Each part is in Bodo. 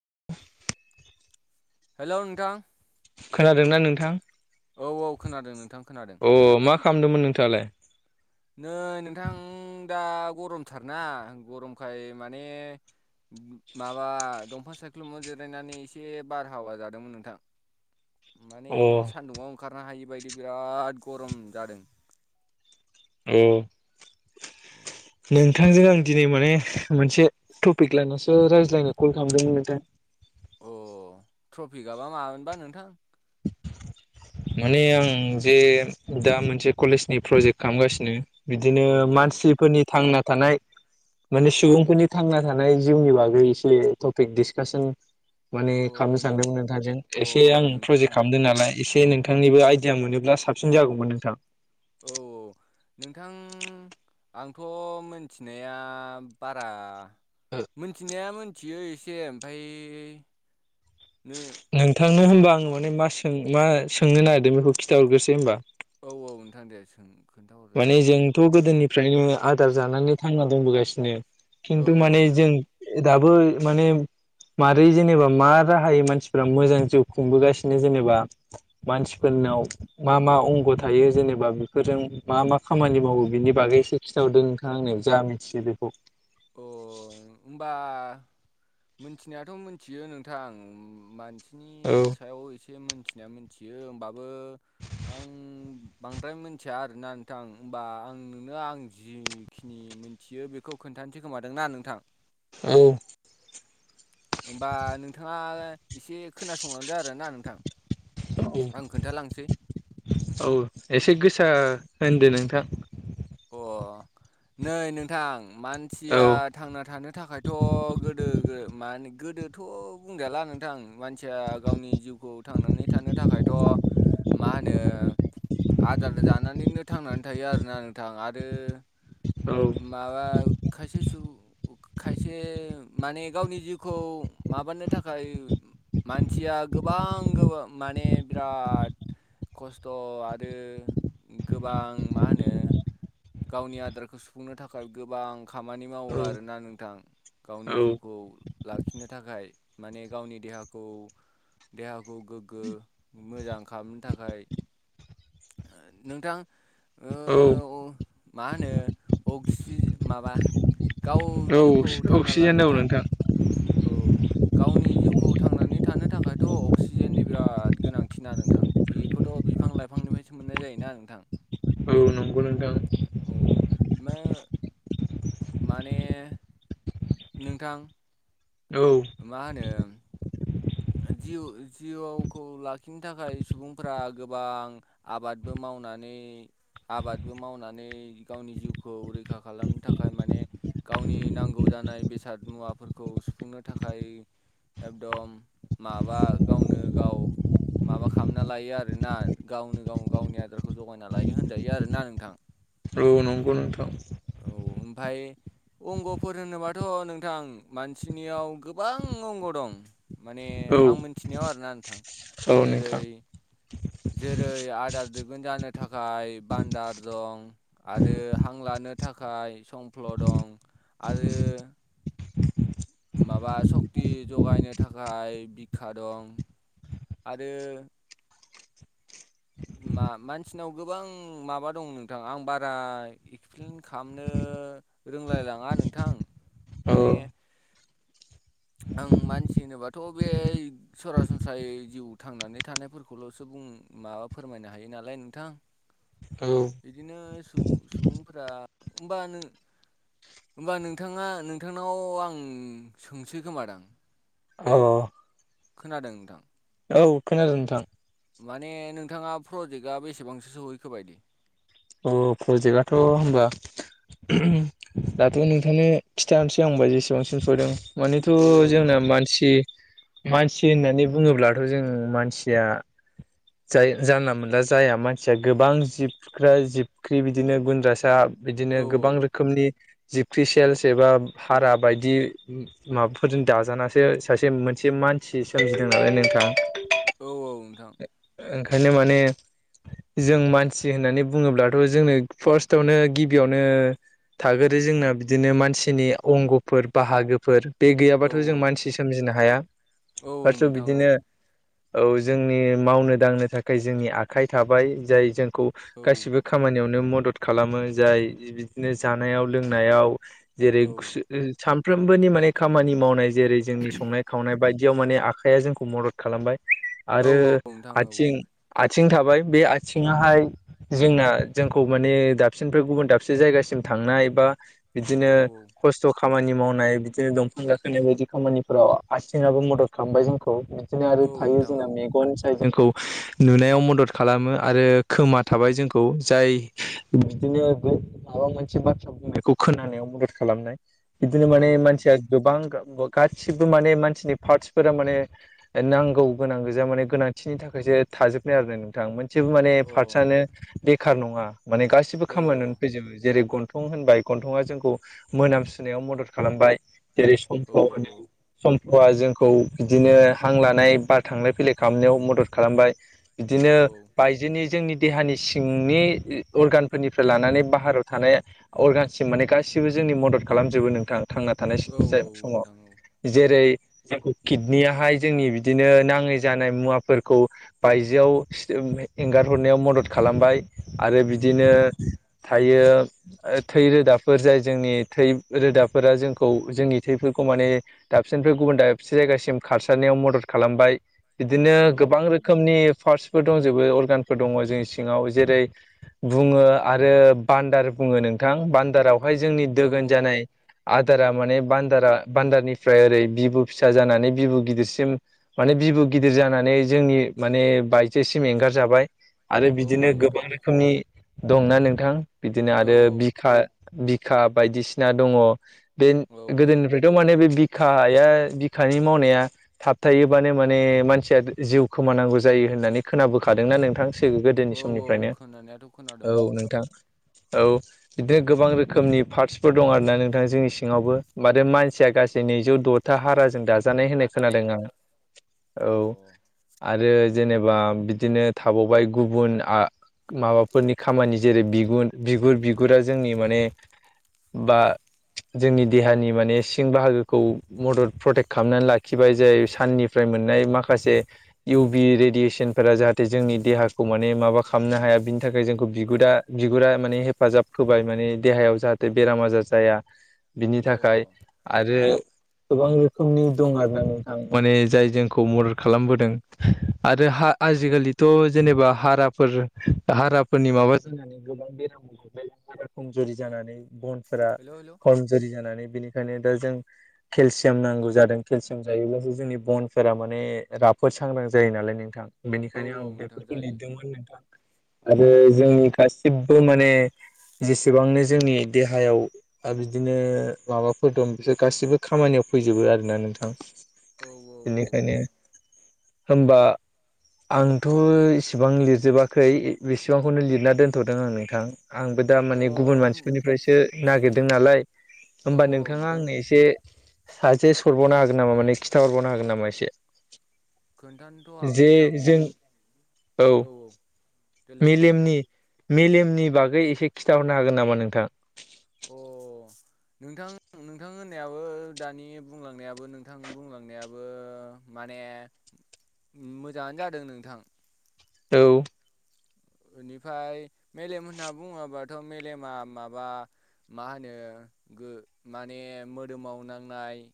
[inaudible] हेलौ नोंथां खोनादोंना नोंथां औ औ खोनादों नोंथां खोनादों अ मा खामदोंमोन नोंथाङालाय नै नोंथां दा गरमथारना गरमखाय माने माबा दंफां सायख्लुमाव जिरायनानै एसे बारहावा जादोंमोन नोंथां। [inaudible] माने सान्दुंङाव ओंखारनो हायि बायदि बिराद गरम जादों। औ [inaudible] नोंथांजों आं दिनै माने मोनसे टपिक लानासो रायज्लायनो कल खालामदोंमोन नोंथां। टफिक आबा मा मोनबा नोंथां? माने आं जे दा मोनसे कलेजनि प्रजेक्ट खालामगासिनो बिदिनो औ औ नोंथां मानसिफोरनि थांना थानाय माने सुबुंफोरनि थांना थानाय जिउनि बागै एसे टपिक डिसकासन माने अ खालामनो नों सानदोंमोन नोंथांजों अ एसे आं नोंथां प्रजेक्ट खालामदों नालाय एसे दे नोंथांनिबो आइदिया मोनोब्ला साबसिन जागौमोन नोंथां। ं औ नोंथां आंथ' मोन्थिनाया बारा मोन्थिनाया मोनथियो एसे ओमफ्राय नो सोंनो होमबा आङो माने मा सों मा सोंनो नागिरदों बेखौ खिथाहरग्रोसै होनबा? औ औ नोंथां दे सों खोन्थाहरजागोन माने जोंथ' गोदोनिफ्रायनो आदार जानानै थांना दंबोगासिनो औ खिन्थु औ माने नोंथां जों दाबो माने मारै जेनेबा मा राहायै मानसिफ्रा मोजां जिउ खुंबोगासिनो जेनेबा औ मानसिफोरनाव मा मा अंग' थायो जेनेबा बेफोरजों मा मा खामानि मावो बिनि बागैसे खिथाहरदो नोंथां आंनो जा मिथियो बेखौ। मोन्थिनायाथ' मोन्थियो नोंथां मानसिनि औ सायाव एसे मोन्थानाया मोन्थियो होमबाबो आं बांद्राय मोन्थिया आरोना नोंथां होमबा आं नोंनो आं जिखिनि मिन्थियो बेखौ खोन्थानोसै खोमादों ना नोंथां? औ होमबा नोंथाङा एसे खोनासंलांदो आरोना नोंथां। औ आं खोन्थालांसै औ एसे गोसा होनदो नोंथां। अह नै नोंथां मानसिया औ थांना थानो थाखायथ' गोदो मान गोदोथ' बुंजाला नोंथां मानसिया गावनि जिउखौ थांनानै थानो थाखायथ' मा होनो आदार जानानैनो थांनानै थायो आरोना। नोंथां आरो औ माबा खायसे सुबुं खायसे माने गावनि जिउखौ माबानो थाखाय मानसिया गोबां गो माने बिराद खस्थ' आरो गोबां मा होनो गावनि आदारखौ सुफुंनो थाखाय गोबां खामानि मावो आरोना नोंथां औ गावनि जिउखौ लाखिनो थाखाय माने गावनि देहाखौ देहाखौ गोग्गो मोजां खालामनो थाखाय। नोंथां औ। ओ मा होनो अक्सि माबा गाव औ जिउखौ थांना अक्सिजेन लानो औ थाखाय नोंथां [unintelligible] गावनि जिउखौ थांनानै थानो थाखायथ' अक्सिजेननि बिराद गोनांथिना नोंथां बेखौथ' बिफां लाइफांनिफ्रायसो मोननाय जायोना नोंथां। औ नंगौ। नोंथां अह। माने नोंथां औ मा होनो जिउ जिउखौ लाखिनो थाखाय सुबुंफोरा गोबां आबादबो मावो मावनानै आबादबो मावनानै गावनि जिउखौ रैखा खालामनो थाखाय माने गावनि नांगौ जानाय बेसाद मुवाफोरखौ सुफुंनो थाखाय एकदम माबा गावनो गाव माबा खालामना लायो आरोना गावनो गाव गावनि आदारखौ जगायना लायो होनजायो आरो ना नोंथां। औ नंगौ नोंथां। औ ओमफाय अंग'फोर होनोबाथ' नोंथां मानसिनियाव गोबां अंग' दं माने औ आं मोनथिनायाव आरोना नोंथां औ जेरै नोंथां जेरै आदार दोगोन जानो थाखाय बान्दार दं आरो हांलानो नो थाखाय सफ्ल दं आरो माबा सक्ति जगायनो थाखाय बिखा दं आरो मा-मानसिनाव गोबां माबा दं नोंथां आं बारा एक्सप्लेन खालामनो ओ रोंलायलाङा नोंथां औ माने आं मानसि होनोबाथ' बे सरासनस्रायै जिउ थांनानै थानायफोरखौल'सो बुं माबा फोरमायनो हायो नालाय नोंथां औ बिदिनो सुबुं सुबुंफोरा होमबानों होमबा नोंथाङा नोंथांनाव आं सोंसै खोमादां! औ खोनादों नोंथां? औ खोनादों नोंथां। माने नोंथाङा प्रजेक्टआ बेसेबांसो सहैखोबायदि? अह प्रजेक्टआथ' होनबा दाथ' नोंथांनो खिथानो हरनोसै होनबा जेसेबांसिम सहैदों। मानेथ' औ जोंना नोंथां मानसि मानसि होननानै बुंङोब्लाथ' जों मानसिया जाय जानला मानला जाया मानसिया गोबां जिब ओ जिबख्रि बिदिनो गुन्द्रासा बिदिनो औ औ गोबां रोखोमनि जिबख्रि सेलस एबा हारा बायदि माबाफोरजों दाजानासो सासे मोनसे मानसि सोमजिदों नालाय नोंथां औ औ नोंथां ओंखायनो माने जों मानसि होननानै बुङोब्लाथ' जोंनो फार्स्टआवनो गिबियावनो थागोरो जोंना बिदिनो मानसिनि अंगफोर बाहागोफोर बे औ गैयाबाथ' जों मानसि सोमजिनो हाया औ फार्स्टआव नोंथां औ बिदिनो औ जोंनि मावनो दांनो थाखाय जोंनि आखाइ थाबाय जाय जोंखौ औ गासिबो खामानियावनो म दद खालामो जाय बिदिनो जानायाव लोंनायाव जेरै औ खुसो ओ सानफ्रोमबोनि माने खामानि मावनाय जेरै जोंनि संनाय खावनाय बाय दियाव माने आखाइया जोंखौ मदद खालामबाय आरो औ औ नोंथां औ आथिं आथिं थाबाय बे आथिङाहाय जोंना जोंखौ माने दाबसेनिफ्राय गुबुन दाबसे जायगासिम था थांनाय बा औ बिदिनो खस्थ' खामानि मावनाय बिदिनो दंफां गाखोनाय बायदि खामानिफोराव आथिंङाबो मदद खामबाय जोंखौ बिदि आरो औ थायो नोंथां जोंना औ मेगन जोंखौ नुनायाव मदद खालामो आरो खोमा थाबाय जोंखौ जाय बिदिनो माबा मोनसे बाथ्रा बुंनायखौ खोनानायाव मदद खालामनाय बिदिनो औ माने मानसिया नोंथां गोबां गासिबो माने मानसिनि फार्टसफोरा माने नांगौ गोनां गोजा माने गोनांथिनि थाखायो थाजोबनाय आरो नोंथां मोनसे माने अ औ फारतसानो बेखार नङा माने गासिबो औ खामानियावनो फैजोबो जेरै गन गनथं होनबाय गन्थंआ जोंखौ मोनामसुनायाव मदद खालामबाय जेरै औ सम्फल होनो सम्फलआ जोंखौ बिदिनो हां लानाय बार थांलाय फैलाय खालामनायाव मदद खालामबाय बिदिनो बायजोनि जोंनि देहानि सिंनि ओ अरगानफोरनिफ्राय लानानै बाहाराव थानाय अरगानसिम माने गासिबो जों नि मदद खालामजोबो नोंथां। थांना थानाय औ जाय औ समाव नोंथां औ जेरै कितनियाहाय जोंनि बिदिनो नां गौ जानाय मुवाफोरखौ बायजोआव एंगारहरनायाव मदद खालामबाय। आरो औ बिदिनो नोंथां थायो ओ थै रोदाफोर जाय जोंनि थै रोदाफोरा जोंखौ जोंनि थैफोरखौ माने दाबसेनिफ्राय गुबुन दाबसे जायगासिम खारसारनायाव मदद खालामबाय। बिदिनो औ गोबां रोखोमनि पार्टसफोर दंजोबो अरगानफोर दंङ जोंनि सिङाव जेरै बुंङो आरो भानदार बुंङो नोंथां बान्दारावहाय जोंनि औ दोगोन औ जानाय नोंथां आदारा माने बान्दारा-बान्दारनिफ्राय ओरै बिबु फिसा जानानै बिबु गिदिरसिम माने बिबु गिदिर जानानै जोंनि माने बायजोसिम एंगारजाबाय आरो बिदिनो गोबां रोखोमनि दंना नोंथां बिदिनो औ आरो औ बिखा बिखा बायदिसिना दं बे औ औ गोदोनिफ्रायथ' माने बे बि बिखाया-बिखानि मावनाया थाबथायोबानो माने मानसिया जिउ खोमानांगौ जायो होननानै खोनाबोखादोंना नोंथां। औ गो-गोदोनि औ समनिफ्रायनो खोनानायाथ' औ खोनादोंमोन नोंथां औ बिदिनो गोबां रोखोमनि पार्टसफोर दं आरोना नोंथां जोंनि सिङावबो माने मानसिया गा सै नैजौ द'था हाराजों दा जानाय होननाय खोनादों आं अ औ आरो जेनेबा बिदिनो थाबावबाय गुबुन आ माबाफोरनि खामानि जेरै बिगुन-बिगुर-बिगुरा जोंनि माने बा जोंनि देहानि माने सिं बाहागोखौ मदद प्रटेक्ट खालामनानै लाखिबाय जाय साननि- निफ्राय मोननाय माखासे इउ भि रेडियेसनफोरा जाहाथे जोंनि देहाखौ माने माबा खालामनो हाया। बिनि थाखाय जोंखौ बिुगुदा बिगुरा माने हेफाजाब होबाय माने देहायाव जाहाथे बेराम आजार जाया बिनि अ थाखाय आरो गोबां रोखोमनि दं आरना नोंथां माने जाय जोंखौ मदद खालामबोदों आरो आजिखालिथ' जेनेबा हाराफोर हाराफोरनि माबा [inaudible] फोरा हेल' हेल' खमजुरि जानानै बेनिखायनो दा जों केलसियाम नांगौ जादों केलसियाम जायोब्लासो जोंनि बन सोरा माने राफोद सांग्रां जायो नालाय नोंथां औ बेनिखायनो आं औ नोंथां बेफोरखौ जायो लिरदोंमोन नोंथां आरो जोंनि गासिबो माने जेसेबांनो जोंनि देहायाव बिदिनो माबाफोर दं बिसोर गासिबो खामानियाव फैजोबो आरोना नोंथां औ औ बेनिखायनो होमबा आंथ' इसिबां लिरजोबाखै ए बेसेबांखौनो लिरना दोनथ'दों आं नोंथां आंबो दा अ माने गुबुन होम मानसिफोरनिफ्रायसो नागिरदों नालाय औ होमबा औ नोंथाङा नोंथां आंनो एसे साजेस्ट हरबावनो हागोन नामा, माने खिन्थाहरबावनो हागोन नामा? समायसे खोन्थानोथ' हागोन नोंथां नों औ देलाय बुंलाय नोंथां मेलेमनि मेलेम नि बागै एसे खिन्थााहरनो हागोन नामा नोंथां? अ नोंथां नोंथां होननायाबो दानि बुंलांनायाबो नोंथां बुंलांनायाबो मानि माने मोजाङानो जादों नोंथां। औ बेनिफ्राय मेलेम होनना बुङोबाथ' मेलेमा माबा मा होनो ओ माने मोदोमाव नांनाय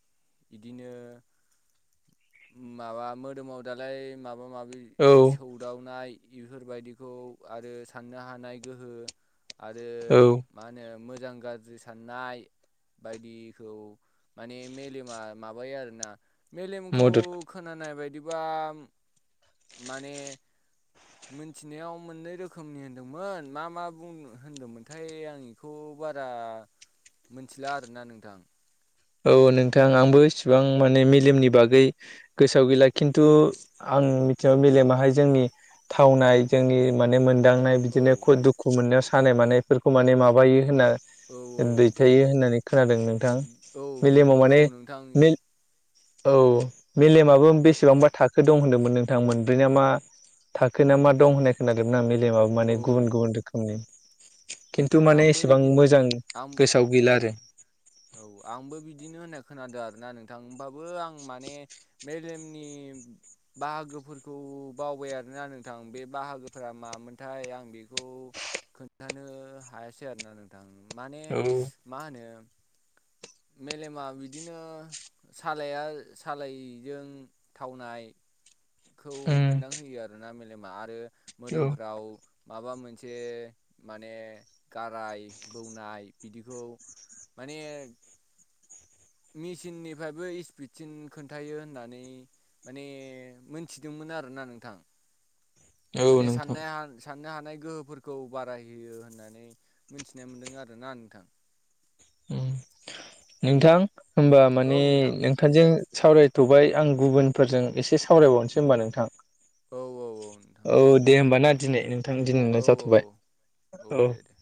बिदिनो माबा मोदोमाव दालाय माबा माबि औ सौदावनाय बेफोरबायदिखौ आरो साननो हानाय गोहो आरो औ मा होनो मो मोजां गाज्रि साननाय बायदिखौ माने मेलेमा माबायो आरोना मेल खौ मदद खोनानाय बायदिबा माने मोनथिनायाव मोननै रोखोमनि होनदोंमोन मा मा बुं होनदोंमोनथाय आं इखौ खौ बारा मिथिला आरोना नोंथां औ नोंथां आंबो इसिबां माने मेलेमनि बागै गोसोआव गैला खिन्थु आं आं मिथिनायाव मिलेमाहाय जोंनि थावनाय जोंनि माने मोन दांनाय औ बिदिनो खु दुखु मोननायाव सानाय मानायफोरखौ माने माबायो होनना औ दैथायो होननानै खोनादों नोंथां औ मेलेमाव औ माने नोंथां मे औ मेलेमाबो बि बेसेबांबा थाखो दं होनदोंमोन नोंथां मोनब्रै ना मा थाखोन ना मा दं होननाय खोनादोंमोन आं मिलेमाबो माने गुबुन औ गुबुन रोखोमनि खिन्थु माने आंबो एसेबां बिदिनो मोजां आंम गोसोआव उम गैला आरो उम औ आंबो बिदि बिदिनो होननाय खोनादों आरोना नोंथां हमबाबो आं माने मेलेमनि बाहागोफोरखौ बावबाय आरोना नोंथां बे बाहागोफोरा मामोनथाय आं बेखौ खोन्थानो हायासै आरोना नोंथां माने औ मा होनो मेलेमा बिदिनो सालाया सालायजों थावनाय [inaudible] खौ उम मोनदांहोयो आरोना मेलेमा आरो औ मोदोमफोराव माबा मोनसे माने गाराय बौनाय बिदिखौ माने मिसिननिफ्रायबो स्पिडसिन खोन्थायो होननानै माने मोनथिदोंमोन आरोना नोंथां औ माने नोंथां साननाय हान‌ साननो हानाय गोहोफोरखौ बाराय होयो होननानै मिथिनाय मोन्दों आरोना नोंथां। उम नोंथां होमबा औ माने नोंथां नोंथांजो सावरायथ'बाय आं गुबुनफोरजों एसे सावरायबावनोसै होमबा नोंथां औ औ औ नोंथां औ दे होमबा ना दिनै नों नोंथां औ दिनैना औ जाथ'बाय औ औ। दे दे